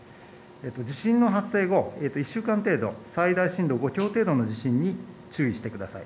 地震の発生後、１週間程度、最大震度５強程度の地震に注意してください。